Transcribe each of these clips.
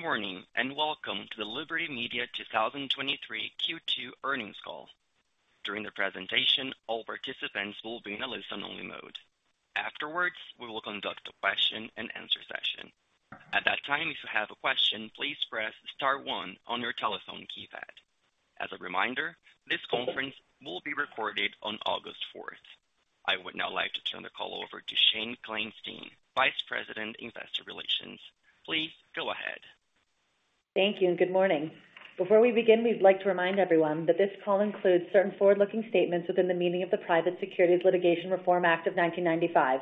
Good morning, welcome to the Liberty Media 2023 Q2 earnings call. During the presentation, all participants will be in a listen-only mode. Afterwards, we will conduct a question-and-answer session. At that time, if you have a question, please press star one on your telephone keypad. As a reminder, this concert will be recorded on August 4th. I would now like to turn the call over to Shane Kleinstein, Vice President, Investor Relations. Please go ahead. Thank you, and good morning. Before we begin, we'd like to remind everyone that this call includes certain forward-looking statements within the meaning of the Private Securities Litigation Reform Act of 1995.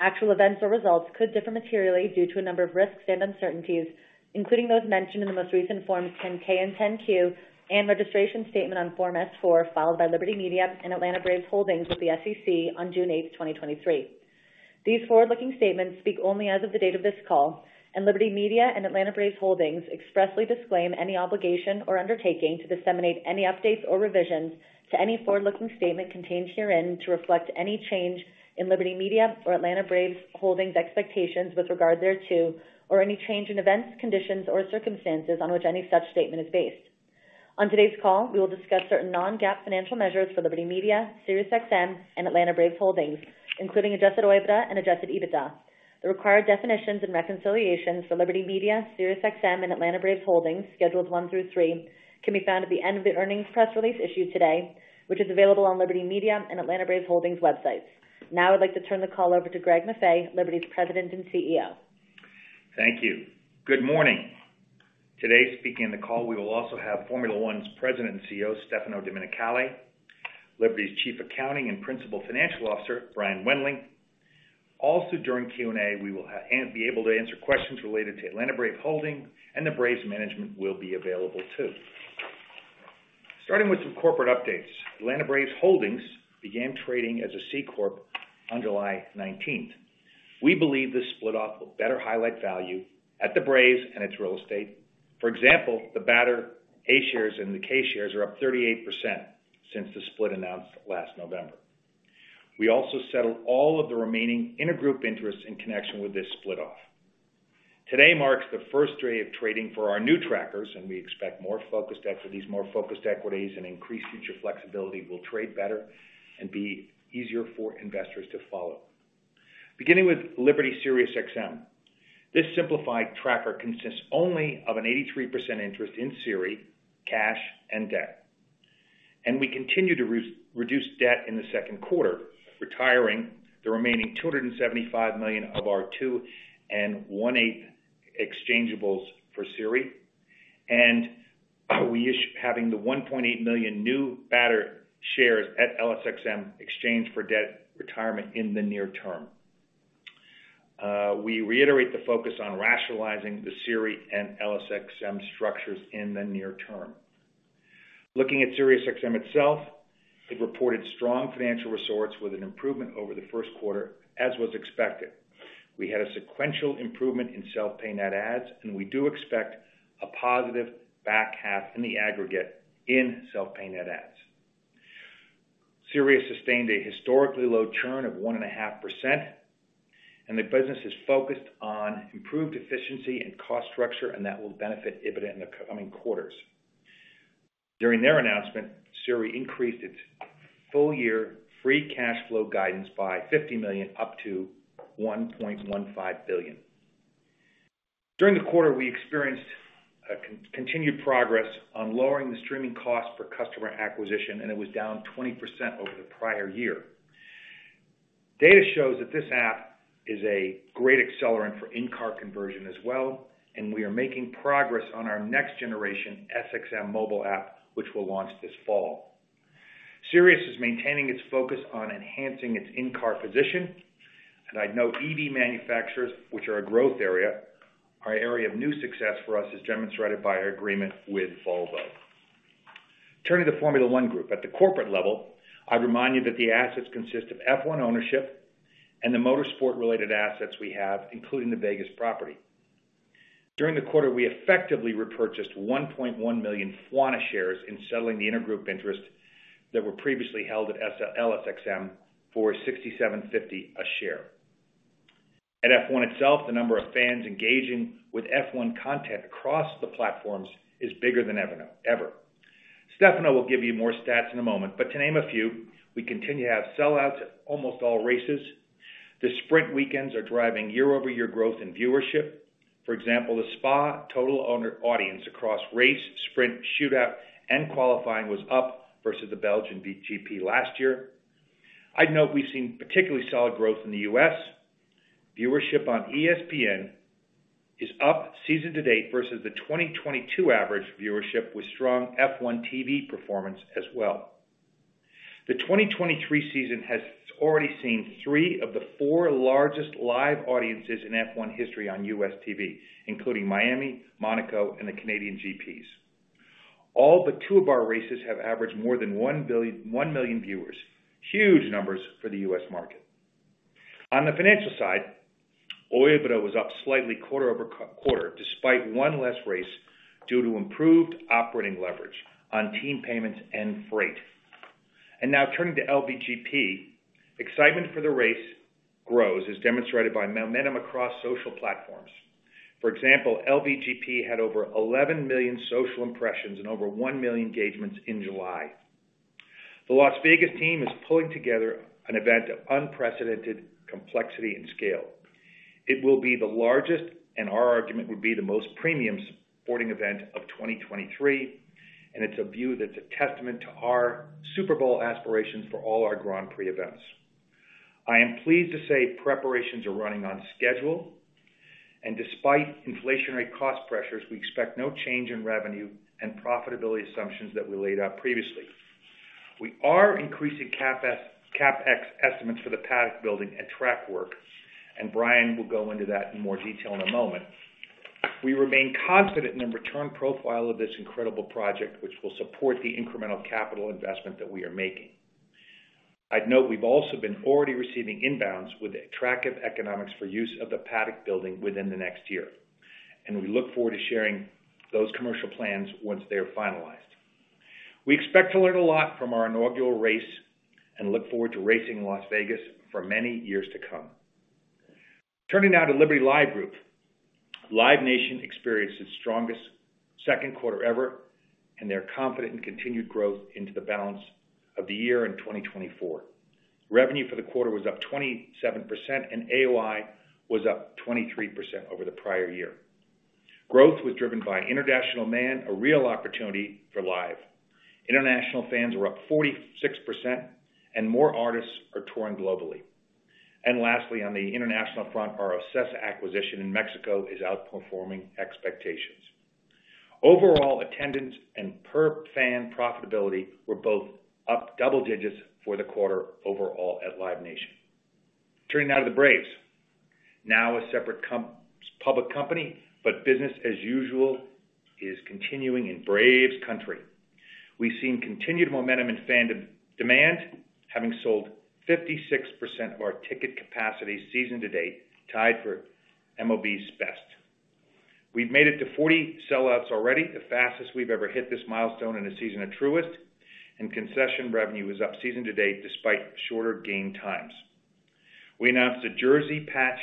Actual events or results could differ materially due to a number of risks and uncertainties, including those mentioned in the most recent Forms 10-K and 10-Q, and registration statement on Form S-4, filed by Liberty Media and Atlanta Braves Holdings with the SEC on June 8, 2023. These forward-looking statements speak only as of the date of this call, and Liberty Media and Atlanta Braves Holdings expressly disclaim any obligation or undertaking to disseminate any updates or revisions to any forward-looking statement contained herein to reflect any change in Liberty Media or Atlanta Braves Holdings' expectations with regard thereto, or any change in events, conditions, or circumstances on which any such statement is based. On today's call, we will discuss certain non-GAAP financial measures for Liberty Media, SiriusXM, and Atlanta Braves Holdings, including adjusted OIBDA and adjusted EBITDA. The required definitions and reconciliations for Liberty Media, SiriusXM, and Atlanta Braves Holdings, Schedules 1 through 3, can be found at the end of the earnings press release issued today, which is available on Liberty Media and Atlanta Braves Holdings websites. I'd like to turn the call over to Greg Maffei, Liberty's President and CEO. Thank you. Good morning. Today, speaking on the call, we will also have Formula One's President and CEO, Stefano Domenicali, Liberty's Chief Accounting and Principal Financial Officer, Brian Wendling. Also, during Q&A, we will be able to answer questions related to Atlanta Braves Holdings, and the Braves management will be available, too. Starting with some corporate updates, Atlanta Braves Holdings began trading as a C corp on July 19th. We believe this split off will better highlight value at the Braves and its real estate. For example, the BATRA shares and the K shares are up 38% since the split announced last November. We also settled all of the remaining intergroup interests in connection with this split off. Today marks the first day of trading for our new trackers, and we expect more focused equities. More focused equities and increased future flexibility will trade better and be easier for investors to follow. Beginning with Liberty SiriusXM, this simplified tracker consists only of an 83% interest in SIRI, cash, and debt. We continue to re-reduce debt in the 2Q, retiring the remaining $275 million of our 2.125% exchangeables for SIRI. Having the 1.8 million new BATRA shares at LSXM exchanged for debt retirement in the near term. We reiterate the focus on rationalizing the SIRI and LSXM structures in the near term. Looking at SiriusXM itself, it reported strong financial resorts with an improvement over the 1Q, as was expected. We had a sequential improvement in self-pay net adds, and we do expect a positive back half in the aggregate in self-pay net adds. Sirius sustained a historically low churn of 1.5%, and the business is focused on improved efficiency and cost structure, and that will benefit EBITDA in the coming quarters. During their announcement, SIRI increased its full-year free cash flow guidance by $50 million, up to $1.15 billion. During the quarter, we experienced continued progress on lowering the streaming cost per customer acquisition, and it was down 20% over the prior year. Data shows that this app is a great accelerant for in-car conversion as well, and we are making progress on our next generation SXM mobile app, which will launch this fall. Sirius is maintaining its focus on enhancing its in-car position, and I'd note EV manufacturers, which are a growth area, are an area of new success for us, as demonstrated by our agreement with Volvo. Turning to the Formula One Group. At the corporate level, I'd remind you that the assets consist of F1 ownership and the motorsport-related assets we have, including the Vegas property. During the quarter, we effectively repurchased 1.1 million FWONA shares in settling the intergroup interests that were previously held at LSXM for $67.50 a share. At F1 itself, the number of fans engaging with F1 content across the platforms is bigger than ever, ever. Stefano will give you more stats in a moment, but to name a few, we continue to have sellouts at almost all races. The Sprint weekends are driving year-over-year growth in viewership. For example, the Spa total owner audience across race, Sprint, shootout, and qualifying was up versus the Belgian GP last year. I'd note we've seen particularly solid growth in the U.S. Viewership on ESPN is up season to date versus the 2022 average viewership, with strong F1 TV performance as well. The 2023 season has already seen three of the four largest live audiences in F1 history on U.S. TV, including Miami, Monaco, and the Canadian GPs. All but two of our races have averaged more than one million viewers. Huge numbers for the U.S. market. On the financial side, OIBDA was up slightly quarter over quarter, despite one less race, due to improved operating leverage on team payments and freight. Now turning to LVGP. Excitement for the race grows, as demonstrated by momentum across social platforms. For example, LVGP had over 11 million social impressions and over one million engagements in July. The Las Vegas team is pulling together an event of unprecedented complexity and scale. It will be the largest, and our argument would be the most premium sporting event of 2023, and it's a view that's a testament to our Super Bowl aspirations for all our Grand Prix events. I am pleased to say preparations are running on schedule, and despite inflationary cost pressures, we expect no change in revenue and profitability assumptions that we laid out previously. We are increasing CapEx estimates for the Paddock Building and track work, and Brian will go into that in more detail in a moment. We remain confident in the return profile of this incredible project, which will support the incremental capital investment that we are making. I'd note we've also been already receiving inbounds with attractive economics for use of the Paddock Building within the next year, and we look forward to sharing those commercial plans once they are finalized. We expect to learn a lot from our inaugural race and look forward to racing in Las Vegas for many years to come. Turning now to Liberty Live Group. Live Nation experienced its strongest second quarter ever, and they're confident in continued growth into the balance of the year in 2024. Revenue for the quarter was up 27%, and AOI was up 23 over the prior year. Growth was driven by international demand, a real opportunity for Live. International fans were up 46 and more artists are touring globally. Lastly, on the international front, our OCESA acquisition in Mexico is outperforming expectations. Overall, attendance and per fan profitability were both up double digits for the quarter overall at Live Nation. Turning now to the Braves. Now a separate public company, but business as usual is continuing in Braves country. We've seen continued momentum in fandom demand, having sold 56% of our ticket capacity season to date, tied for MLB's best. We've made it to 40 sellouts already, the fastest we've ever hit this milestone in a season at Truist, and concession revenue is up season to date, despite shorter game times. We announced a jersey patch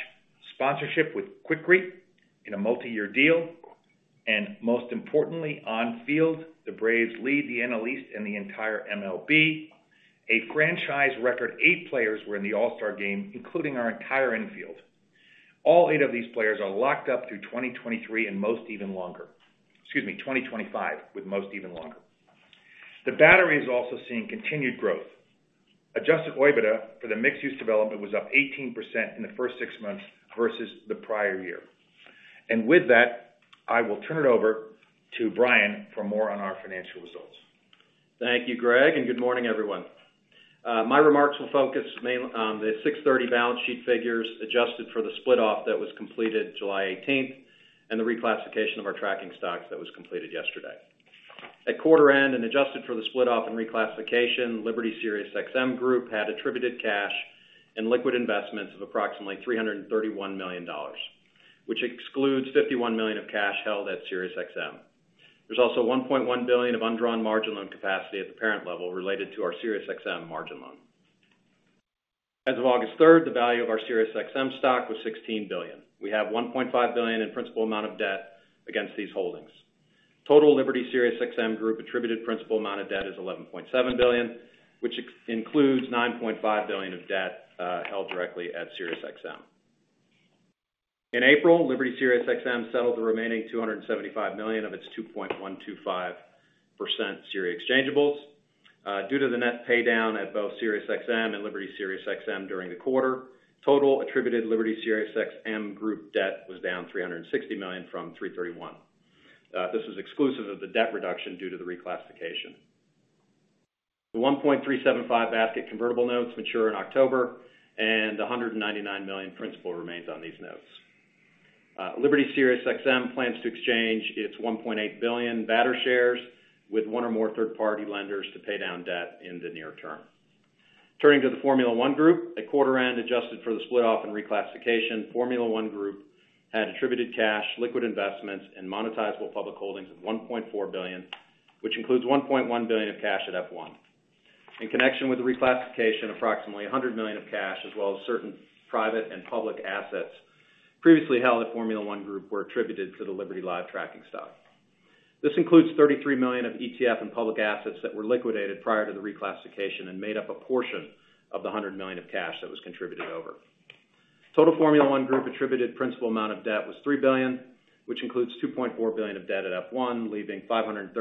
sponsorship with QUIKRETE in a multiyear deal, and most importantly, on field, the Braves lead the NL East and the entire MLB. A franchise record eight players were in the All-Star game, including our entire infield. All eight of these players are locked up through 2023 and most even longer. Excuse me, 2025, with most even longer. The battery is also seeing continued growth. Adjusted EBITDA for the mixed-use development was up 18% in the first six months versus the prior year. With that, I will turn it over to Brian for more on our financial results. Thank you, Greg. Good morning, everyone. My remarks will focus on the 6/30 balance sheet figures adjusted for the split off that was completed July 18th, the reclassification of our tracking stocks that was completed yesterday. At quarter end, adjusted for the split off and reclassification, Liberty SiriusXM Group had attributed cash and liquid investments of approximately $331 million, which excludes $51 million of cash held at SiriusXM. There's also $1.1 billion of undrawn margin loan capacity at the parent level related to our SiriusXM margin loan. As of August 3rd, the value of our SiriusXM stock was $16 billion. We have $1.5 billion in principal amount of debt against these holdings. Total Liberty SiriusXM Group attributed principal amount of debt is $11.7 billion, which ex- includes $9.5 billion of debt held directly at SiriusXM. In April, Liberty SiriusXM settled the remaining $275 million of its 2.125% SIRI exchangeables. Due to the net pay down at both SiriusXM and Liberty SiriusXM during the quarter, total attributed Liberty SiriusXM Group debt was down $360 million from 3/31. This is exclusive of the debt reduction due to the reclassification. The 1.375% basket convertible notes mature in October, and $199 million principal remains on these notes. Liberty SiriusXM plans to exchange its $1.8 billion BATRA shares with one or more third-party lenders to pay down debt in the near term. Turning to the Formula One Group, at quarter end, adjusted for the split off and reclassification, Formula One Group had attributed cash, liquid investments, and monetizable public holdings of $1.4 billion, which includes $1.1 billion of cash at F1. In connection with the reclassification, approximately $100 million of cash, as well as certain private and public assets previously held at Formula One Group, were attributed to the Liberty Live tracking stock. This includes $33 million of ETF and public assets that were liquidated prior to the reclassification and made up a portion of the $100 million of cash that was contributed over. Total Formula One Group attributed principal amount of debt was $3 billion, which includes $2.4 billion of debt at F1, leaving $536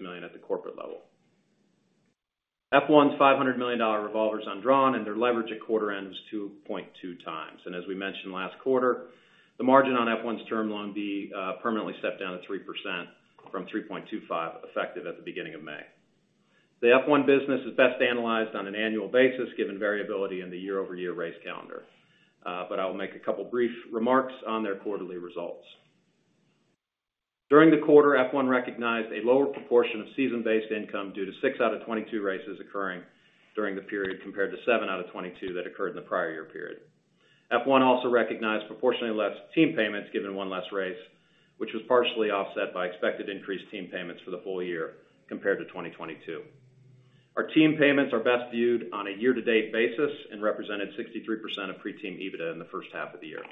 million at the corporate level. F1's $500 million revolver is undrawn, and their leverage at quarter-end is 2.2x. As we mentioned last quarter, the margin on F1's Term Loan B permanently stepped down to 3% from 3.25, effective at the beginning of May. The F1 business is best analyzed on an annual basis, given variability in the year-over-year race calendar. I will make a couple of brief remarks on their quarterly results. During the quarter, F1 recognized a lower proportion of season-based income due to six out of 22 races occurring during the period, compared to seven out of 22 that occurred in the prior year period. F1 also recognized proportionately less team payments given one less race, which was partially offset by expected increased team payments for the full-year compared to 2022. Our team payments are best viewed on a year-to-date basis and represented 63% of pre-team EBITDA in the first half of the year.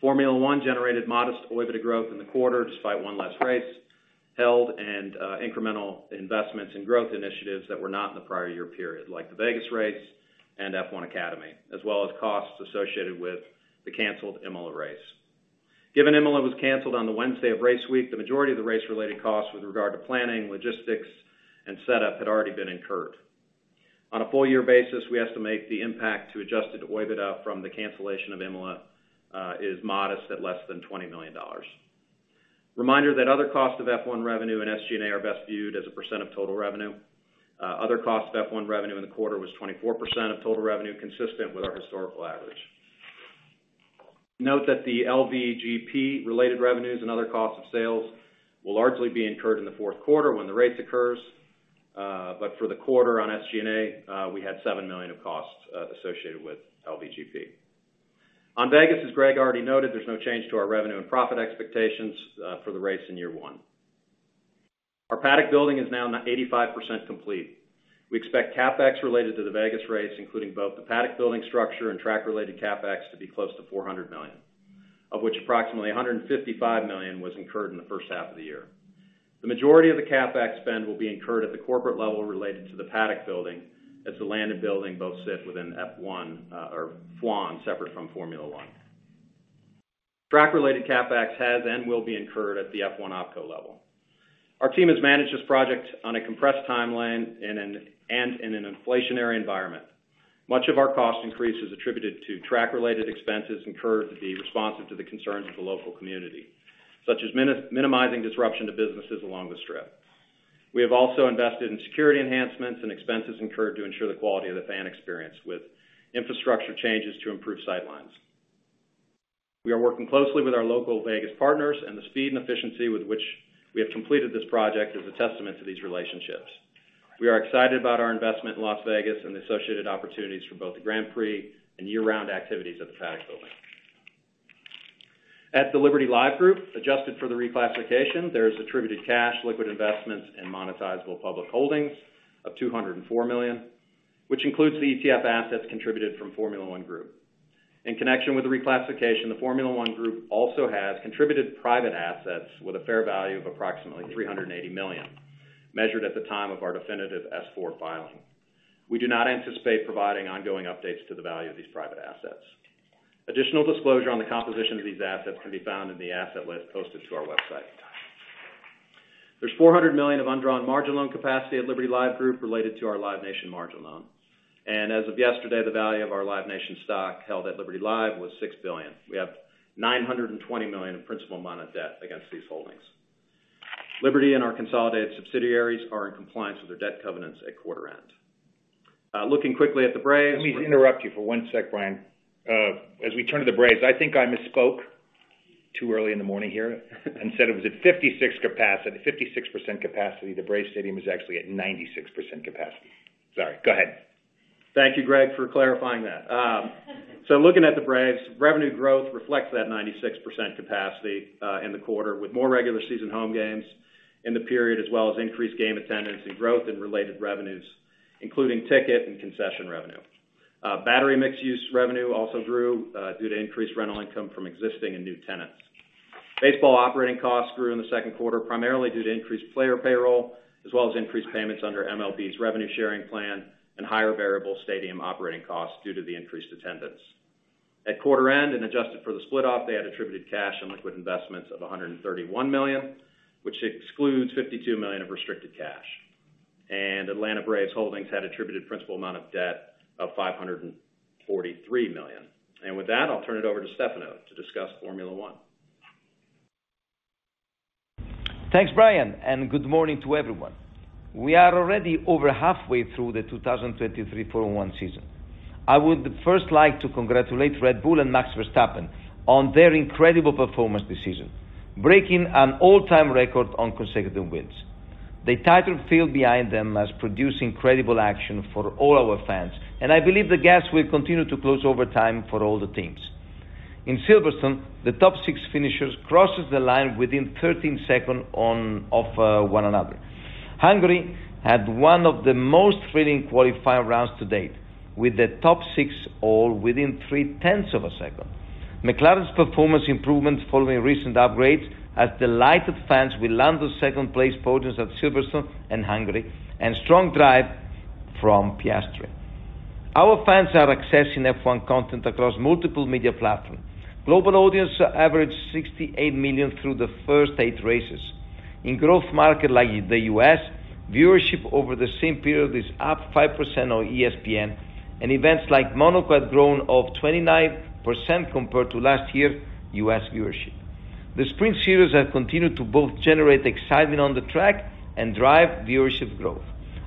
Formula One generated modest OIBDA growth in the quarter, despite one less race held, incremental investments in growth initiatives that were not in the prior year period, like the Vegas race and F1 Academy, as well as costs associated with the canceled Imola race. Given Imola was canceled on the Wednesday of race week, the majority of the race-related costs with regard to planning, logistics, and setup had already been incurred. On a full-year basis, we estimate the impact to adjusted OIBDA from the cancellation of Imola is modest at less than $20 million. Reminder that other costs of F1 revenue and SG&A are best viewed as a percent of total revenue. Other costs of F1 revenue in the quarter was 24% of total revenue, consistent with our historical average. Note that the LVGP related revenues and other costs of sales will largely be incurred in the fourth quarter when the race occurs. For the quarter on SG&A, we had $7 million of costs associated with LVGP. On Vegas, as Greg already noted, there's no change to our revenue and profit expectations for the race in year one. Our Paddock Building is now 85% complete. We expect CapEx related to the Vegas race, including both the Paddock Building structure and track-related CapEx, to be close to $400 million, of which approximately $155 million was incurred in the first half of the year. The majority of the CapEx spend will be incurred at the corporate level related to the Paddock Building, as the land and building both sit within F1, or FLAN, separate from Formula One. Track-related CapEx has and will be incurred at the F1 OpCo level. Our team has managed this project on a compressed timeline and in an inflationary environment. Much of our cost increase is attributed to track-related expenses incurred to be responsive to the concerns of the local community, such as minimizing disruption to businesses along the strip. We have also invested in security enhancements and expenses incurred to ensure the quality of the fan experience with infrastructure changes to improve sight lines. We are working closely with our local Vegas partners, and the speed and efficiency with which we have completed this project is a testament to these relationships. We are excited about our investment in Las Vegas and the associated opportunities for both the Grand Prix and year-round activities at the Paddock Building. At the Liberty Live Group, adjusted for the reclassification, there is attributed cash, liquid investments, and monetizable public holdings of $204 million, which includes the ETF assets contributed from Formula One Group. In connection with the reclassification, the Formula One Group also has contributed private assets with a fair value of approximately $380 million, measured at the time of our definitive S-4 filing. We do not anticipate providing ongoing updates to the value of these private assets. Additional disclosure on the composition of these assets can be found in the asset list posted to our website. There's $400 million of undrawn margin loan capacity at Liberty Live Group related to our Live Nation margin loan. As of yesterday, the value of our Live Nation stock held at Liberty Live was $6 billion. We have $920 million in principal amount of debt against these holdings. Liberty and our consolidated subsidiaries are in compliance with their debt covenants at quarter end. Looking quickly at the Braves- Let me interrupt you for one sec, Brian. As we turn to the Braves, I think I misspoke too early in the morning here, said it was at 56% capacity, 56% capacity. The Braves stadium is actually at 96% capacity. Sorry, go ahead. Thank you, Greg, for clarifying that. So looking at the Braves, revenue growth reflects that 96% capacity in the quarter, with more regular season home games in the period, as well as increased game attendance and growth in related revenues, including ticket and concession revenue. Battery mixed-use revenue also grew due to increased rental income from existing and new tenants. Baseball operating costs grew in the second quarter, primarily due to increased player payroll, as well as increased payments under MLB's revenue sharing plan and higher variable stadium operating costs due to the increased attendance. At quarter end and adjusted for the split off, they had attributed cash and liquid investments of $131 million, which excludes $52 million of restricted cash. Atlanta Braves Holdings had attributed principal amount of debt of $543 million. With that, I'll turn it over to Stefano to discuss Formula One. Thanks, Brian, and good morning to everyone. We are already over halfway through the 2023 Formula One season. I would first like to congratulate Red Bull and Max Verstappen on their incredible performance this season, breaking an all-time record on consecutive wins. The title field behind them has produced incredible action for all our fans, and I believe the gaps will continue to close over time for all the teams. In Silverstone, the top six finishers crosses the line within 13 seconds of one another. Hungary had one of the most thrilling qualifying rounds to date, with the top six all within 3/10 of a second. McLaren's performance improvements following recent upgrades has delighted fans with Lando's second-place podiums at Silverstone and Hungary, and strong drive from Piastri. Our fans are accessing F1 content across multiple media platforms. Global audience averaged 68 million through the first eight races. In growth market like the U.S., viewership over the same period is up 5% on ESPN, and events like Monaco had grown up 29% compared to last year's U.S. viewership. The Sprint series have continued to both generate excitement on the track and drive viewership growth.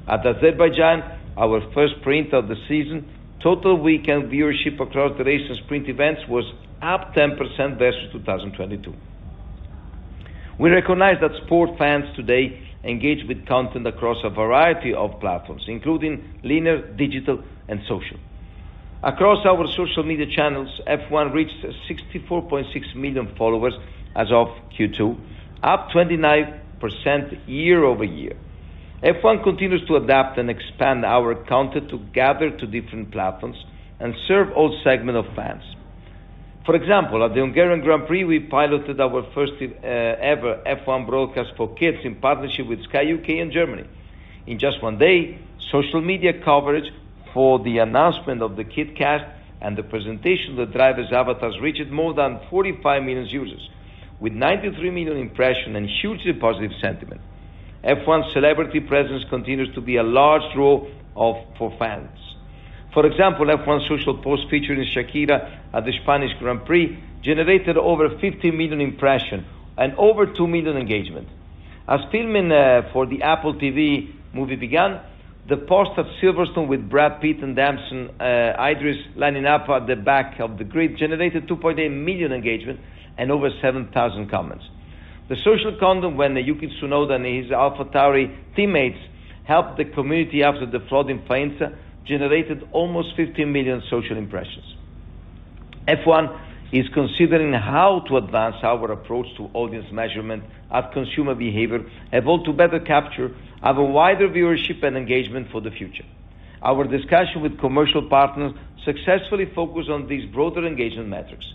At Azerbaijan, our first Sprint of the season, total weekend viewership across the race and Sprint events was up 10% versus 2022.... We recognize that sport fans today engage with content across a variety of platforms, including linear, digital, and social. Across our social media channels, F1 reached 64.6 million followers as of Q2, up 29% year-over-year. F1 continues to adapt and expand our content to gather to different platforms and serve all segment of fans. For example, at the Hungarian Grand Prix, we piloted our first ever F1 broadcast for kids in partnership with Sky U.K. and Germany. In just one day, social media coverage for the announcement of the kid cast and the presentation of the drivers' avatars reached more than 45 million users, with 93 million impression and hugely positive sentiment. F1 celebrity presence continues to be a large role of, for fans. For example, F1 social post featuring Shakira at the Spanish Grand Prix, generated over 50 million impression and over two million engagement. As filming for the Apple TV movie began, the post of Silverstone with Brad Pitt and Damson Idris lining up at the back of the grid generated 2.8 million engagement and over 7,000 comments. The social content when Yuki Tsunoda and his AlphaTauri teammates helped the community after the flood in France, generated almost 15 million social impressions. F1 is considering how to advance our approach to audience measurement as consumer behavior evolve to better capture our wider viewership and engagement for the future. Our discussion with commercial partners successfully focus on these broader engagement metrics.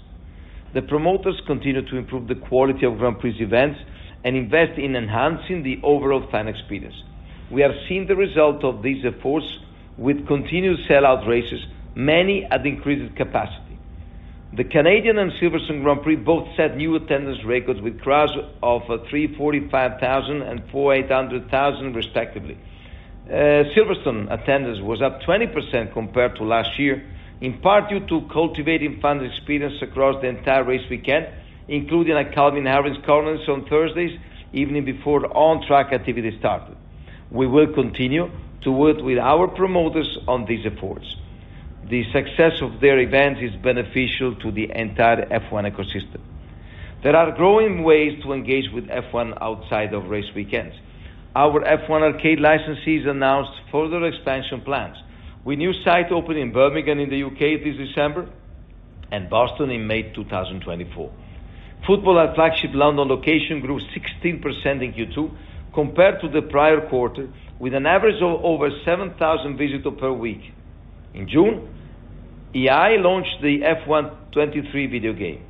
The promoters continue to improve the quality of Grand Prix events and invest in enhancing the overall fan experience. We have seen the result of these efforts with continued sell-out races, many at increased capacity. The Canadian and Silverstone Grand Prix both set new attendance records with crowds of 345,000 and 480,000, respectively. Silverstone attendance was up 20% compared to last year, in part due to cultivating fan experience across the entire race weekend, including a Calvin Harris conference on Thursdays, evening before the on-track activity started. We will continue to work with our promoters on these efforts. The success of their events is beneficial to the entire F1 ecosystem. There are growing ways to engage with F1 outside of race weekends. Our F1 Arcade licensees announced further expansion plans, with new site opening in Birmingham, in the U.K. this December, and Boston in May 2024. Football at flagship London location grew 16% in Q2 compared to the prior quarter, with an average of over 7,000 visitors per week. In June, EA launched the F1 23 video game.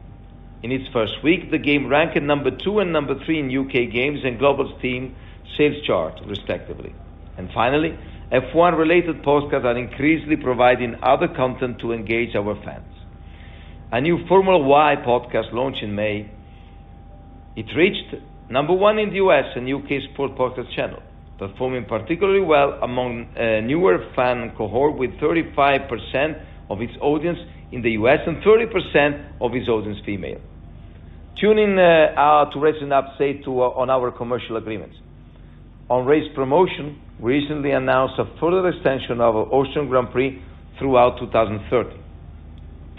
In its 1st week, the game ranked at number two and number three in U.K. games and global steam sales chart, respectively. Finally, F1 related podcasts are increasingly providing other content to engage our fans. A new Formula Why podcast launched in May. It reached number one in the U.S. and U.K. sport podcast channel, performing particularly well among newer fan cohort, with 35% of its audience in the U.S. and 30% of its audience female. Tuning to race an update to, on our commercial agreements. On race promotion, recently announced a further extension of Austrian Grand Prix throughout 2030.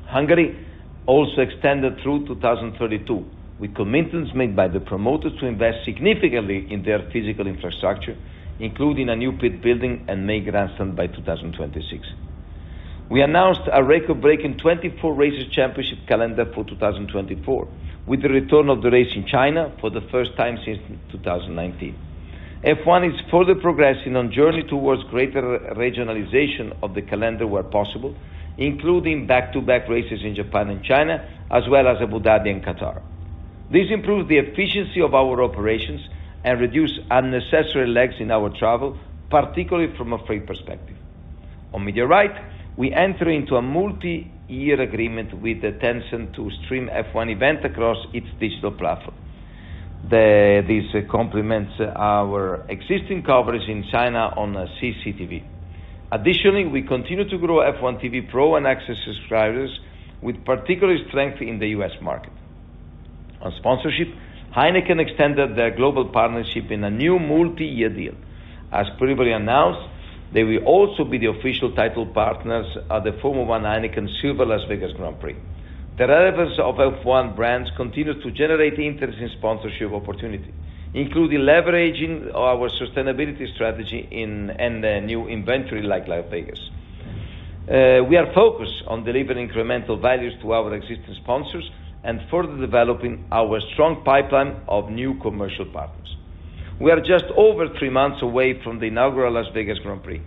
Hungary also extended through 2032, with commitments made by the promoter to invest significantly in their physical infrastructure, including a new pit building and main grandstand by 2026. We announced a record-breaking 24 races championship calendar for 2024, with the return of the race in China for the first time since 2019. F1 is further progressing on journey towards greater regionalization of the calendar where possible, including back-to-back races in Japan and China, as well as Abu Dhabi and Qatar. This improves the efficiency of our operations and reduce unnecessary lags in our travel, particularly from a freight perspective. On media right, we enter into a multi-year agreement with Tencent to stream F1 event across its digital platform. This complements our existing coverage in China on CCTV. Additionally, we continue to grow F1 TV Pro and access subscribers with particular strength in the U.S. market. On sponsorship, Heineken extended their global partnership in a new multi-year deal. As previously announced, they will also be the official title partners at the Formula 1 Heineken Silver Las Vegas Grand Prix. The relevance of F1 brands continues to generate interest in sponsorship opportunity, including leveraging our sustainability strategy in, and the new inventory like Las Vegas. We are focused on delivering incremental values to our existing sponsors and further developing our strong pipeline of new commercial partners. We are just over three months away from the inaugural Las Vegas Grand Prix.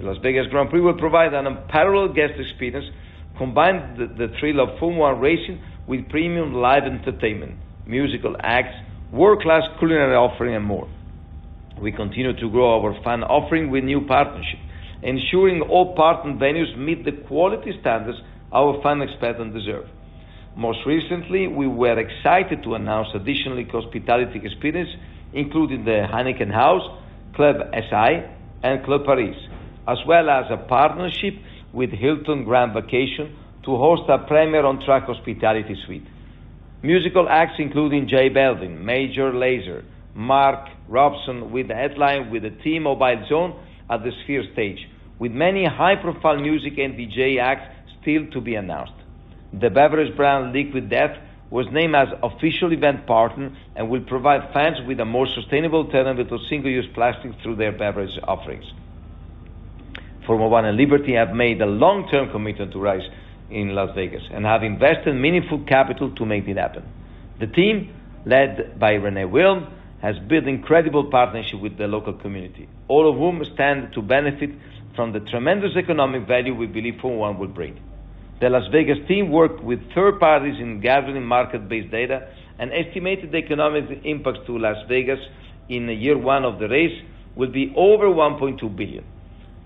The Las Vegas Grand Prix will provide an unparalleled guest experience, combining the thrill of Formula One racing with premium live entertainment, musical acts, world-class culinary offering, and more. We continue to grow our fan offering with new partnerships, ensuring all partner venues meet the quality standards our fans expect and deserve. Most recently, we were excited to announce additionally, hospitality experience, including the Heineken House, Club SI, and Club Paris, as well as a partnership with Hilton Grand Vacations to host a premier on-track hospitality suite. Musical acts including J Balvin, Major Lazer, Mark Ronson, with the headline with the T-Mobile Zone at the Sphere stage, with many high-profile music and DJ acts still to be announced. The beverage brand Liquid Death was named as official event partner and will provide fans with a more sustainable alternative to single-use plastic through their beverage offerings. Formula One and Liberty have made a long-term commitment to race in Las Vegas and have invested meaningful capital to make it happen. The team, led by Renee Wilm, has built incredible partnership with the local community, all of whom stand to benefit from the tremendous economic value we believe Formula One will bring. The Las Vegas team worked with third parties in gathering market-based data and estimated the economic impact to Las Vegas in year one of the race will be over $1.2 billion.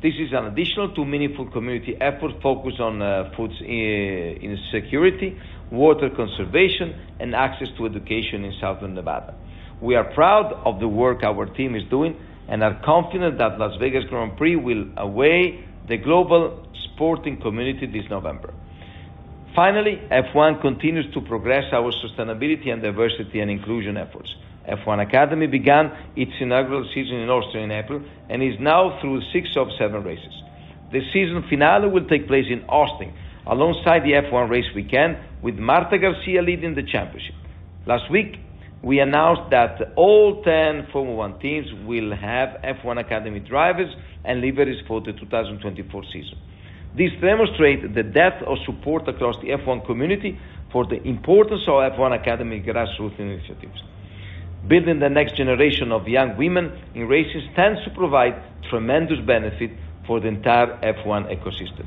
This is an additional two meaningful community efforts focused on food insecurity, water conservation, and access to education in Southern Nevada. We are proud of the work our team is doing and are confident that Las Vegas Grand Prix will away the global sporting community this November. Finally, F1 continues to progress our sustainability and diversity and inclusion efforts. F1 Academy began its inaugural season in Austin in April and is now through six of seven races. The season finale will take place in Austin, alongside the F1 race weekend, with Marta Garcia leading the championship. Last week, we announced that all 10 Formula One teams will have F1 Academy drivers and liveries for the 2024 season. This demonstrate the depth of support across the F1 community for the importance of F1 Academy grassroots initiatives. Building the next generation of young women in racing stands to provide tremendous benefit for the entire F1 ecosystem.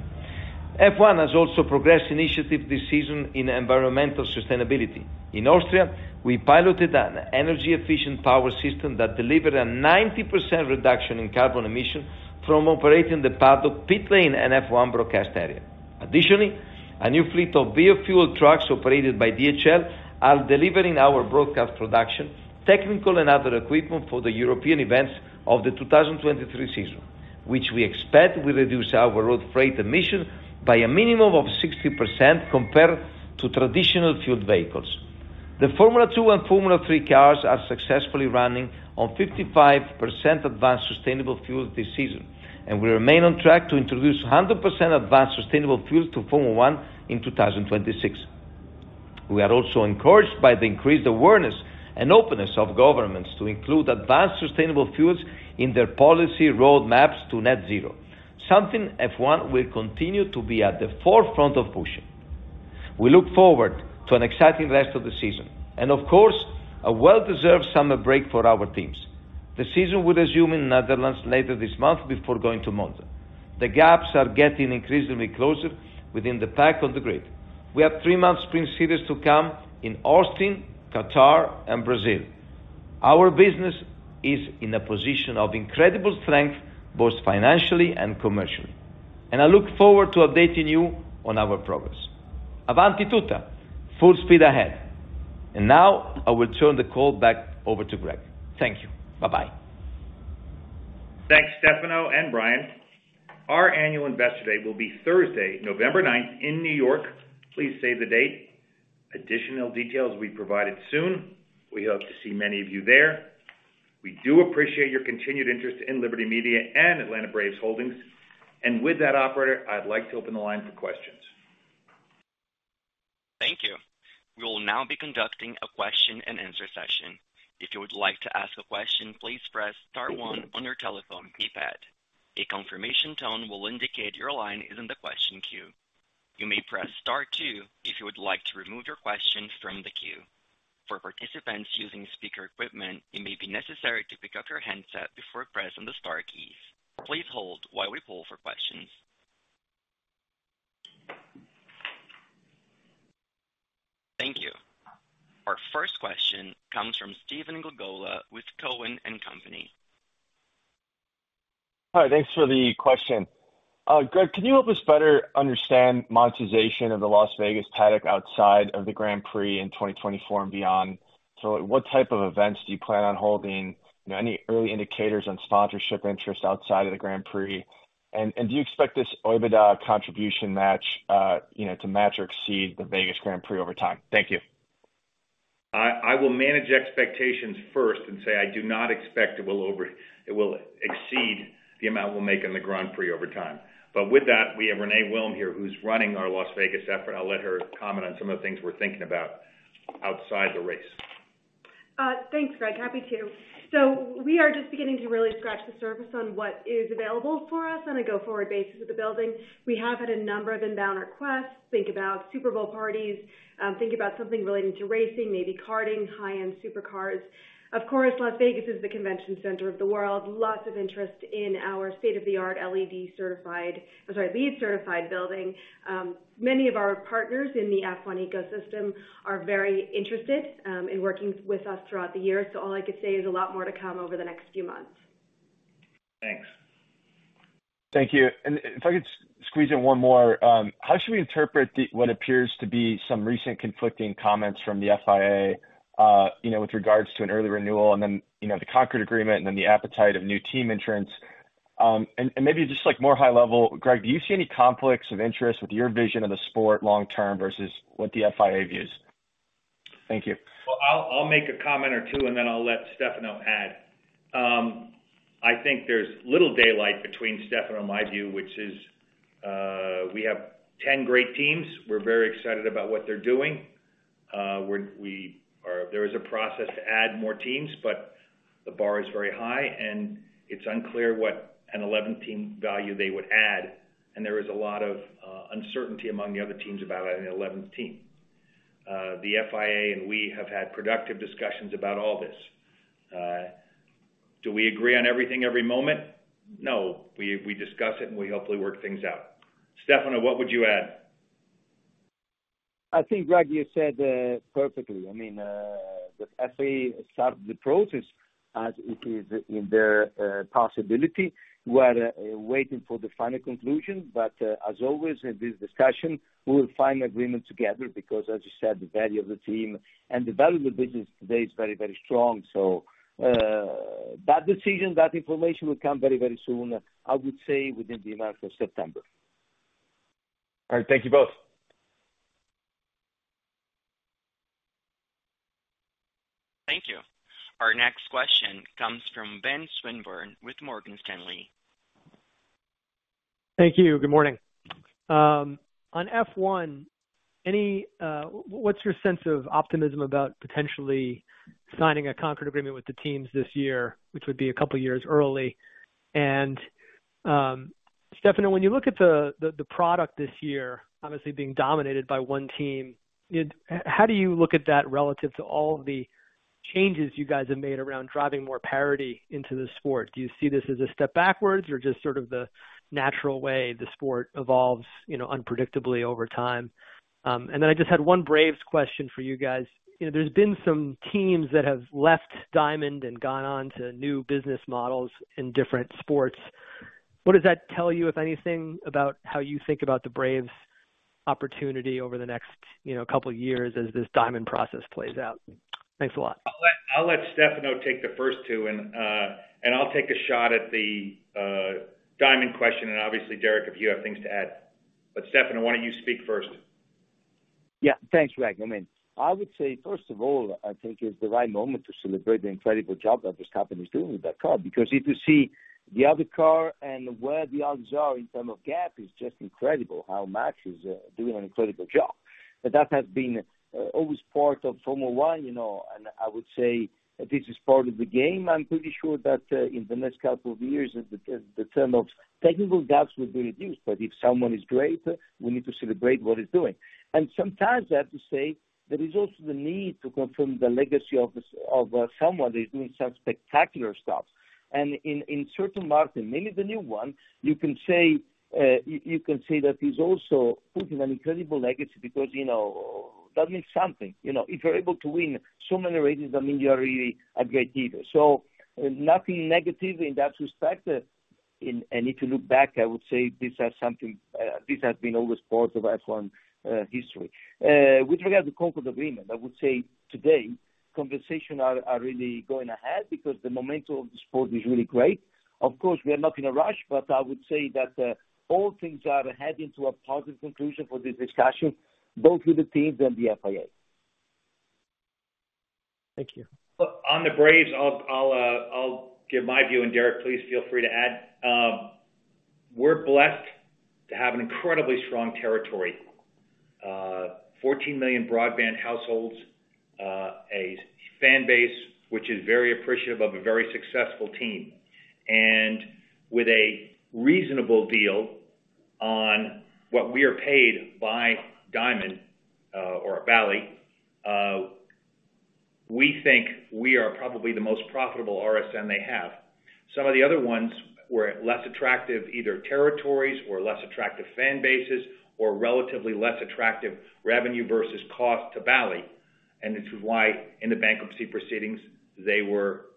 F1 has also progressed initiatives this season in environmental sustainability. In Austria, we piloted an energy-efficient power system that delivered a 90% reduction in carbon emissions from operating the paddock, pit lane, and F1 broadcast area. Additionally, a new fleet of bio-fueled trucks operated by DHL are delivering our broadcast production, technical and other equipment for the European events of the 2023 season, which we expect will reduce our road freight emission by a minimum of 60% compared to traditional fueled vehicles. The Formula 2 and Formula 3 cars are successfully running on 55% advanced sustainable fuel this season. We remain on track to introduce 100% advanced sustainable fuel to Formula One in 2026. We are also encouraged by the increased awareness and openness of governments to include advanced sustainable fuels in their policy roadmaps to net zero, something F1 will continue to be at the forefront of pushing. We look forward to an exciting rest of the season and, of course, a well-deserved summer break for our teams. The season will resume in the Netherlands later this month before going to Monza. The gaps are getting increasingly closer within the pack on the grid. We have three months Sprint series to come in Austin, Qatar, and Brazil. Our business is in a position of incredible strength, both financially and commercially, and I look forward to updating you on our progress. Avanti tutta! Full speed ahead. Now I will turn the call back over to Greg. Thank you. Bye-bye. Thanks, Stefano and Brian. Our annual Investor Day will be Thursday, November 9th, in New York. Please save the date. Additional details will be provided soon. We hope to see many of you there. We do appreciate your continued interest in Liberty Media and Atlanta Braves Holdings. With that, operator, I'd like to open the line for questions. Thank you. We will now be conducting a question-and-answer session. If you would like to ask a question, please press star one on your telephone keypad. A confirmation tone will indicate your line is in the question queue. You may press star two if you would like to remove your question from the queue. For participants using speaker equipment, it may be necessary to pick up your handset before pressing the star keys. Please hold while we poll for questions. Thank you. Our first question comes from Stephen Glagola with Cowen and Company. Hi, thanks for the question. Greg, can you help us better understand monetization of the Las Vegas Paddock outside of the Grand Prix in 2024 and beyond? What type of events do you plan on holding? You know, any early indicators on sponsorship interest outside of the Grand Prix? Do you expect this OIBDA contribution match, you know, to match or exceed the Vegas Grand Prix over time? Thank you. I, I will manage expectations first and say I do not expect it will exceed the amount we'll make on the Grand Prix over time. With that, we have Renee Wilm here, who's running our Las Vegas effort. I'll let her comment on some of the things we're thinking about outside the race. Thanks, Greg. Happy to. We are just beginning to really scratch the surface on what is available for us on a go-forward basis of the building. We have had a number of inbound requests. Think about Super Bowl parties, think about something relating to racing, maybe carting, high-end supercars. Of course, Las Vegas is the convention center of the world. Lots of interest in our state-of-the-art, LEED-certified building. Many of our partners in the F1 ecosystem are very interested in working with us throughout the year. All I can say is a lot more to come over the next few months. Thanks. Thank you. If I could squeeze in one more. How should we interpret the, what appears to be some recent conflicting comments from the FIA, you know, with regards to an early renewal and then, you know, the Concorde Agreement and then the appetite of new team entrants? And maybe just, like, more high level, Greg, do you see any conflicts of interest with your vision of the sport long term versus what the FIA views? Thank you. Well, I'll, I'll make a comment or two, and then I'll let Stefano add. I think there's little daylight between Stefano and my view, which is, we have 10 great teams. We're very excited about what they're doing. There is a process to add more teams, but the bar is very high, and it's unclear what an 11th team value they would add, and there is a lot of uncertainty among the other teams about adding an 11th team. The FIA and we have had productive discussions about all this. Do we agree on everything, every moment? No. We, we discuss it, and we hopefully work things out. Stefano, what would you add? I think, Greg, you said, perfectly. I mean, the FIA started the process as it is in their possibility. We're waiting for the final conclusion, but, as always, in this discussion, we will find agreement together, because, as you said, the value of the team and the value of the business today is very, very strong. That decision, that information will come very, very soon, I would say within the month of September. All right. Thank you both. Thank you. Our next question comes from Ben Swinburne with Morgan Stanley. Thank you. Good morning. On F1, what's your sense of optimism about potentially signing a Concorde Agreement with the teams this year, which would be a couple of years early? Stefano, when you look at the, the, the product this year, obviously being dominated by one team, how do you look at that relative to all the changes you guys have made around driving more parity into the sport? Do you see this as a step backwards or just sort of the natural way the sport evolves, you know, unpredictably over time? I just had one Braves question for you guys. You know, there's been some teams that have left Diamond and gone on to new business models in different sports. What does that tell you, if anything, about how you think about the Braves opportunity over the next, you know, couple of years as this Diamond process plays out? Thanks a lot. I'll let, I'll let Stefano take the first two, and and I'll take a shot at the Diamond question, and obviously, Derek, if you have things to add. Stefano, why don't you speak first? Yeah. Thanks, Greg. I mean, I would say, first of all, I think it's the right moment to celebrate the incredible job that this company is doing with that car, because if you see the other car and where the others are in term of gap, it's just incredible how Max is doing an incredible job. That has been always part of Formula One, you know, and I would say this is part of the game. I'm pretty sure that in the next couple of years, the term of technical gaps will be reduced, but if someone is great, we need to celebrate what he's doing. Sometimes I have to say, there is also the need to confirm the legacy of someone who is doing some spectacular stuff. In, in certain markets, and maybe the new one, you, you can say that he's also putting an incredible legacy because, you know, that means something. You know, if you're able to win so many races, that means you're really a great leader. Nothing negative in that respect. And if you look back, I would say these are something, this has been always part of F1 history. With regard to Concorde Agreement, I would say today, conversations are, are really going ahead because the momentum of the sport is really great. Of course, we are not in a rush, but I would say that all things are heading to a positive conclusion for this discussion, both with the teams and the FIA. Thank you. On the Braves, I'll, I'll, I'll give my view, and Derek, please feel free to add. We're blessed to have an incredibly strong territory. 14 million broadband households, a fan base, which is very appreciative of a very successful team. With a reasonable deal on what we are paid by Diamond, or Bally, we think we are probably the most profitable RSN they have. Some of the other ones were less attractive, either territories or less attractive fan bases, or relatively less attractive revenue versus cost to Bally. This is why in the bankruptcy proceedings, they were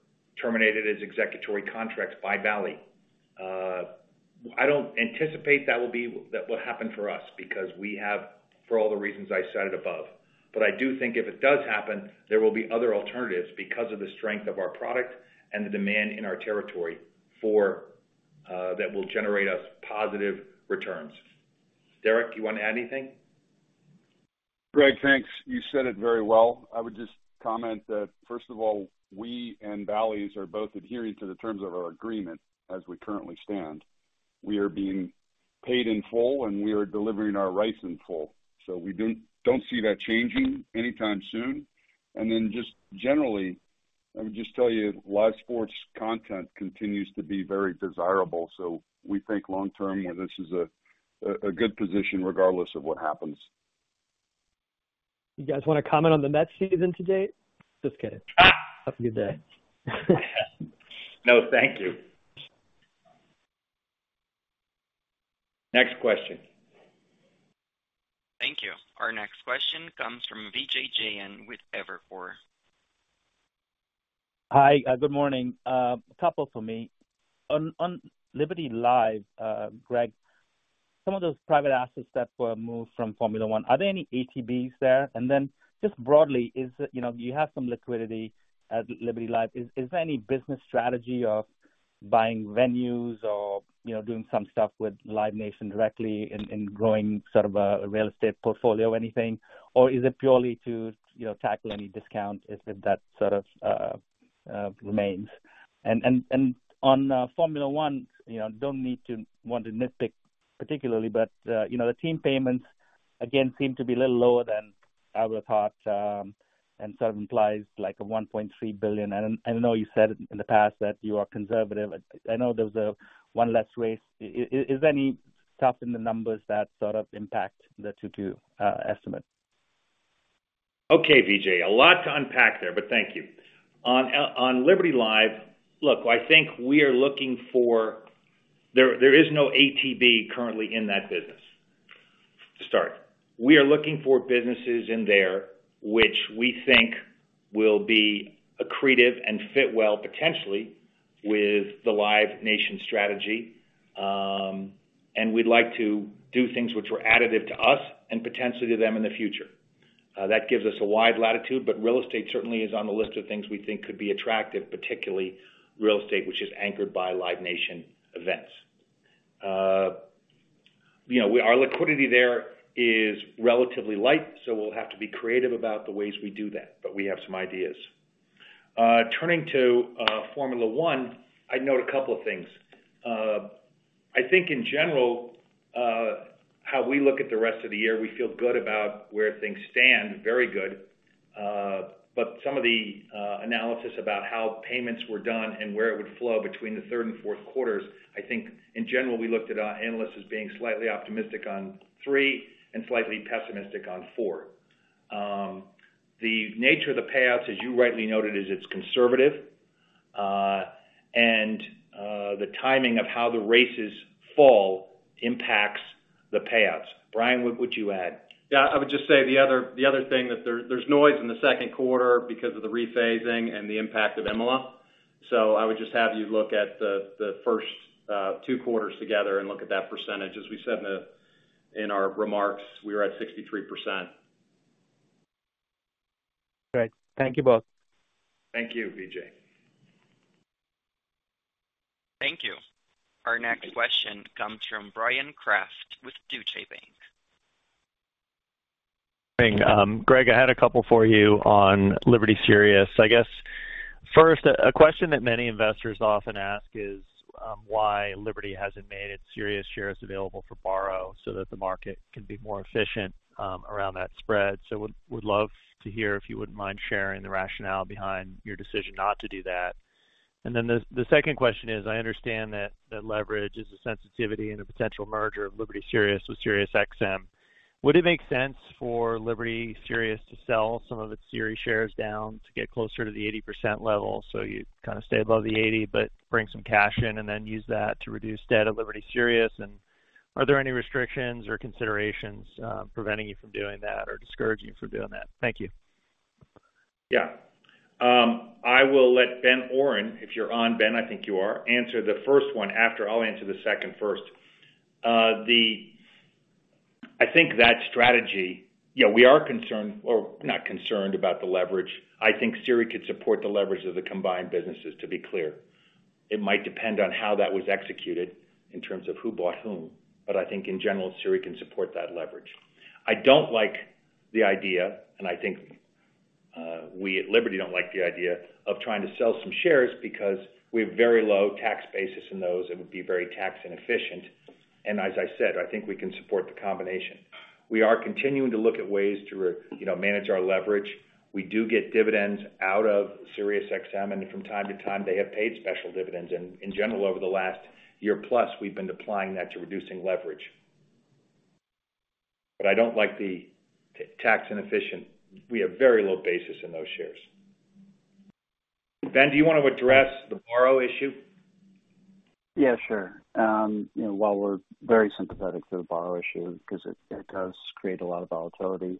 terminated as executory contracts by Bally. I don't anticipate that will happen for us because we have, for all the reasons I cited above. I do think if it does happen, there will be other alternatives because of the strength of our product and the demand in our territory for. That will generate us positive returns. Derek, you want to add anything? Greg, thanks. You said it very well. I would just comment that, first of all, we and Bally's are both adhering to the terms of our agreement as we currently stand. We are being paid in full, and we are delivering our rights in full. We don't see that changing anytime soon. Then, just generally, let me just tell you, live sports content continues to be very desirable, so we think long term, this is a good position regardless of what happens. You guys want to comment on the Mets season to date? Just kidding. Have a good day. No, thank you. Next question. Thank you. Our next question comes from Vijay Jayant with Evercore. Hi, good morning. A couple for me. On, on Liberty Live, Greg, some of those private assets that were moved from Formula One, are there any ATBs there? Then, just broadly, is, you know, you have some liquidity at Liberty Live, is, is there any business strategy of buying venues or, you know, doing some stuff with Live Nation directly in, in growing sort of a, a real estate portfolio or anything? Or is it purely to, you know, tackle any discount, if, if that sort of.... remains. And, and, and on, Formula One, you know, don't need to want to nitpick particularly, but, you know, the team payments, again, seem to be a little lower than I would have thought, and so it implies like a $1.3 billion. I don't, I know you said in the past that you are conservative. I, I know there was a one less race. Is, is, is there any stuff in the numbers that sort of impact the 2022 estimate? Okay, Vijay, a lot to unpack there, but thank you. On Liberty Live, look, I think we are looking for. There is no ATB currently in that business, to start. We are looking for businesses in there which we think will be accretive and fit well, potentially, with the Live Nation strategy. We'd like to do things which were additive to us and potentially to them in the future. That gives us a wide latitude, but real estate certainly is on the list of things we think could be attractive, particularly real estate, which is anchored by Live Nation events. you know, our liquidity there is relatively light, so we'll have to be creative about the ways we do that, but we have some ideas. Turning to Formula One, I'd note a couple of things. I think in general, how we look at the rest of the year, we feel good about where things stand, very good. Some of the, analysis about how payments were done and where it would flow between the 3rd and 4th quarters, I think in general, we looked at our analysts as being slightly optimistic on three and slightly pessimistic on four. The nature of the payouts, as you rightly noted, is it's conservative, and the timing of how the races fall impacts the payouts. Brian, what would you add? Yeah, I would just say the other, the other thing, that there, there's noise in the second quarter because of the rephasing and the impact of Imola. I would just have you look at the, the first, two quarters together and look at that percentage. As we said in the, in our remarks, we are at 63%. Great. Thank you both. Thank you, Vijay. Thank you. Our next question comes from Bryan Kraft with Deutsche Bank. Hey, Greg, I had a couple for you on Liberty Sirius. I guess, first, a question that many investors often ask is, why Liberty hasn't made its Sirius shares available for borrow so that the market can be more efficient around that spread. So would, would love to hear, if you wouldn't mind sharing the rationale behind your decision not to do that. And then the, the second question is, I understand that the leverage is a sensitivity in a potential merger of Liberty Sirius with SiriusXM. Would it make sense for Liberty Sirius to sell some of its SIRI shares down to get closer to the 80% level? So you kind of stay above the 80%, but bring some cash in and then use that to reduce debt at Liberty Sirius. Are there any restrictions or considerations preventing you from doing that or discourage you from doing that? Thank you. Yeah. I will let Ben Oren, if you're on, Ben, I think you are, answer the first one after I'll answer the second first. I think that strategy, you know, we are concerned or not concerned about the leverage. I think SIRI could support the leverage of the combined businesses, to be clear. It might depend on how that was executed in terms of who bought whom, but I think in general, SIRI can support that leverage. I don't like the idea, and I think, we at Liberty don't like the idea of trying to sell some shares because we have very low tax basis in those, it would be very tax inefficient. As I said, I think we can support the combination. We are continuing to look at ways to, you know, manage our leverage. We do get dividends out of SiriusXM, and from time to time, they have paid special dividends. In general, over the last year plus, we've been applying that to reducing leverage. I don't like the tax inefficient. We have very low basis in those shares. Ben, do you want to address the borrow issue? Yeah, sure. you know, while we're very sympathetic to the borrow issue because it, it does create a lot of volatility,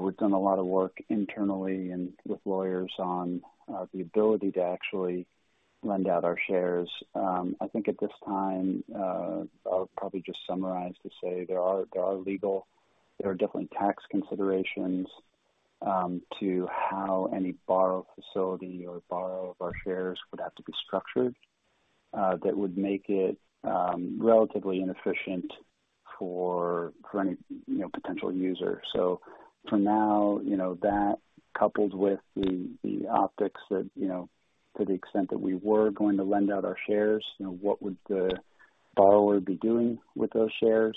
we've done a lot of work internally and with lawyers on the ability to actually lend out our shares. I think at this time, I'll probably just summarize to say there are different tax considerations to how any borrow facility or borrow of our shares would have to be structured that would make it relatively inefficient for, for any, you know, potential user. For now, you know, that coupled with the, the optics that, you know, to the extent that we were going to lend out our shares, you know, what would the borrower be doing with those shares,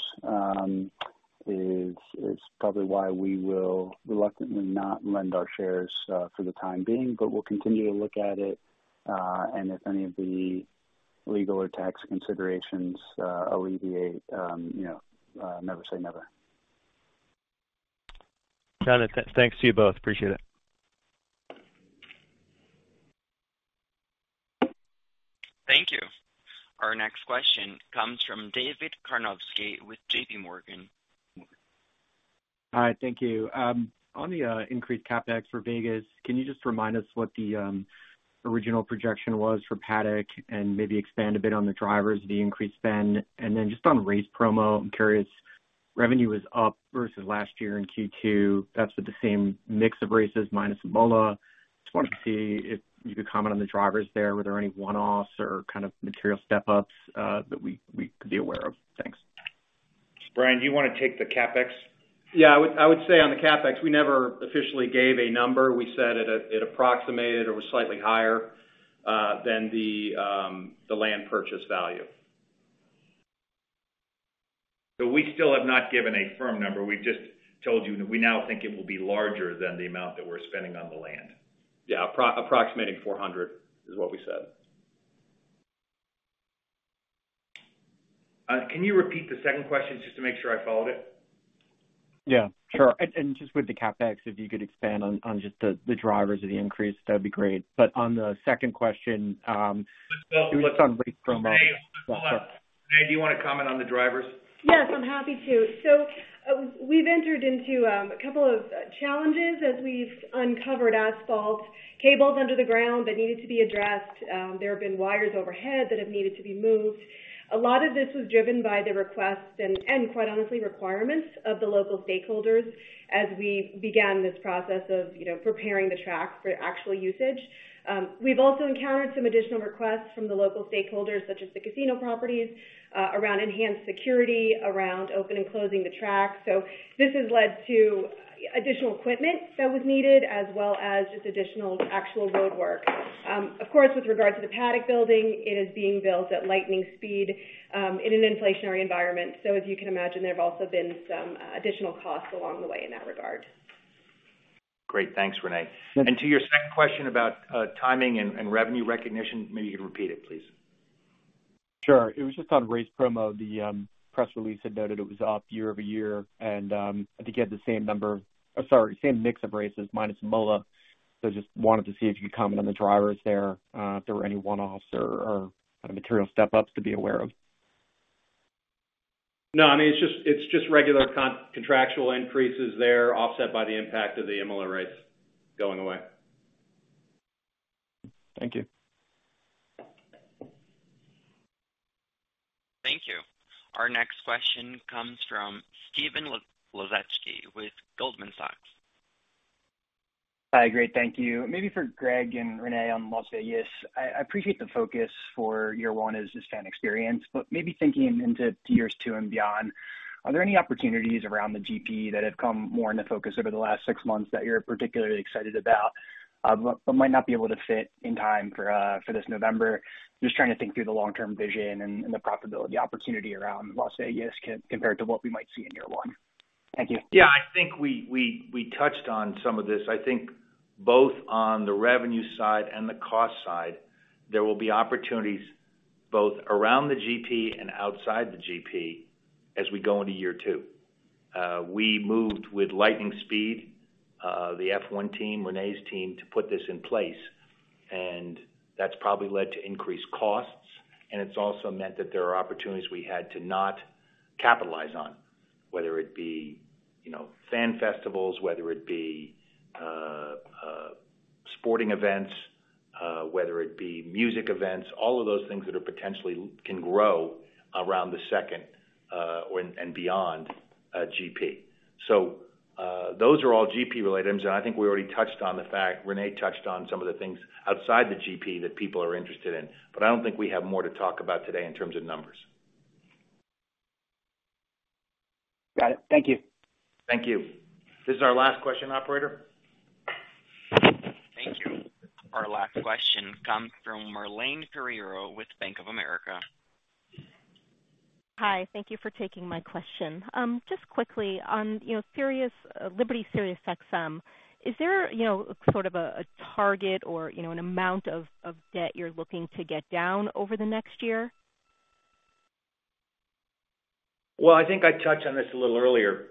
is, is probably why we will reluctantly not lend our shares for the time being, but we'll continue to look at it. If any of the legal or tax considerations alleviate, you know, never say never. Got it. Thanks to you both. Appreciate it. Thank you. Our next question comes from David Karnovsky with JPMorgan. Hi, thank you. On the increased CapEx for Vegas, can you just remind us what the original projection was for Paddock? Maybe expand a bit on the drivers of the increased spend. Then just on race promo, I'm curious, revenue was up versus last year in Q2. That's with the same mix of races minus Imola. Just wanted to see if you could comment on the drivers there. Were there any one-offs or kind of material step-ups that we, we could be aware of? Thanks. Brian, do you want to take the CapEx? I would, I would say on the CapEx, we never officially gave a number. We said it, it approximated or was slightly higher than the land purchase value. We still have not given a firm number. We just told you that we now think it will be larger than the amount that we're spending on the land. Yeah, approximating 400 is what we said. Can you repeat the second question just to make sure I followed it? Yeah, sure. just with the CapEx, if you could expand on, on just the, the drivers of the increase, that'd be great. on the second question, it was on race promo. Renee, do you want to comment on the drivers? Yes, I'm happy to. We've entered into a couple of challenges as we've uncovered asphalt, cables under the ground that needed to be addressed. There have been wires overhead that have needed to be moved. A lot of this was driven by the requests and, and quite honestly, requirements of the local stakeholders as we began this process of, you know, preparing the track for actual usage. We've also encountered some additional requests from the local stakeholders, such as the casino properties, around enhanced security, around opening and closing the track. This has led to additional equipment that was needed, as well as just additional actual roadwork. Of course, with regard to the Paddock Building, it is being built at lightning speed, in an inflationary environment. As you can imagine, there have also been some additional costs along the way in that regard. Great, thanks, Renee. To your second question about timing and revenue recognition, maybe you could repeat it, please? Sure. It was just on race promo. The press release had noted it was up year-over-year, and I think you had the same, sorry, same mix of races, minus Imola. Just wanted to see if you could comment on the drivers there, if there were any one-offs or material step-ups to be aware of. No, I mean, it's just, it's just regular contractual increases there, offset by the impact of the Imola rates going away. Thank you. Thank you. Our next question comes from Stephen Laszczyk with Goldman Sachs. Hi, great, thank you. Maybe for Greg and Renee on Las Vegas. I, I appreciate the focus for year one as this fan experience, but maybe thinking into years two and beyond, are there any opportunities around the GP that have come more into focus over the last six months that you're particularly excited about, but might not be able to fit in time for this November? Just trying to think through the long-term vision and, and the profitability opportunity around Las Vegas compared to what we might see in year one. Thank you. Yeah, I think we, we, we touched on some of this. I think both on the revenue side and the cost side, there will be opportunities both around the GP and outside the GP as we go into year two. We moved with lightning speed, the F1 team, Renee's team, to put this in place, and that's probably led to increased costs, and it's also meant that there are opportunities we had to not capitalize on, whether it be, you know, fan festivals, whether it be sporting events, whether it be music events, all of those things that are potentially can grow around the second, when and beyond, GP. Those are all GP-related items, and I think we already touched on the fact... Renee touched on some of the things outside the GP that people are interested in. I don't think we have more to talk about today in terms of numbers. Got it. Thank you. Thank you. This is our last question, operator. Thank you. Our last question comes from Marlane Pereiro with Bank of America. Hi, thank you for taking my question. Just quickly on Sirius, Liberty SiriusXM, is there, you know, sort of a, a target or, you know, an amount of, of debt you're looking to get down over the next year? Well, I think I touched on this a little earlier.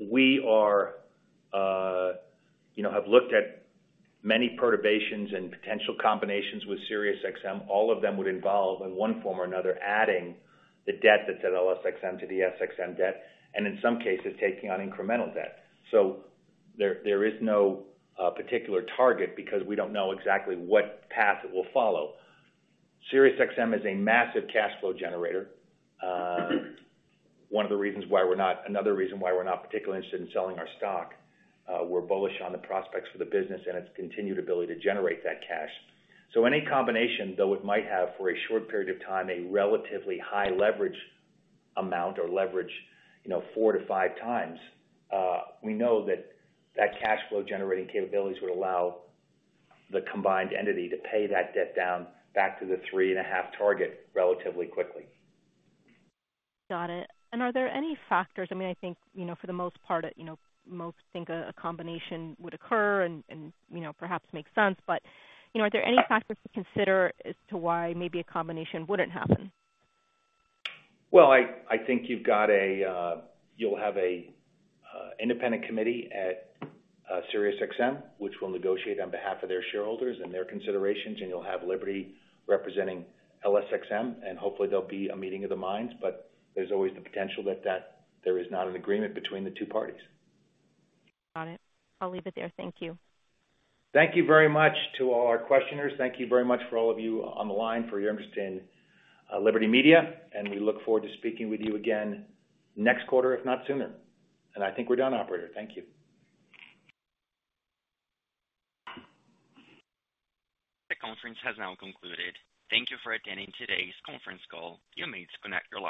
We are, you know, have looked at many perturbations and potential combinations with SiriusXM. All of them would involve, in one form or another, adding the debt that's at LSXM to the SXM debt, and in some cases, taking on incremental debt. There, there is no particular target because we don't know exactly what path it will follow. SiriusXM is a massive cash flow generator. One of the reasons why we're not-- another reason why we're not particularly interested in selling our stock. We're bullish on the prospects for the business and its continued ability to generate that cash. Any combination, though, it might have for a short period of time, a relatively high leverage amount or leverage, you know, 4x-5x, we know that that cash flow generating capabilities would allow the combined entity to pay that debt down back to the 3.5 target relatively quickly. Got it. Are there any factors? I mean, I think, you know, for the most part, you know, most think a, a combination would occur and, and, you know, perhaps make sense. You know, are there any factors to consider as to why maybe a combination wouldn't happen? Well, I, I think you've got a, you'll have a independent committee at SiriusXM, which will negotiate on behalf of their shareholders and their considerations, and you'll have Liberty representing LSXM, and hopefully there'll be a meeting of the minds. There's always the potential that, that there is not an agreement between the two parties. Got it. I'll leave it there. Thank you. Thank you very much to all our questioners. Thank you very much for all of you on the line, for your interest in Liberty Media, and we look forward to speaking with you again next quarter, if not sooner. I think we're done, operator. Thank you. The concert has now concluded. Thank you for attending today's concert call. You may disconnect your line.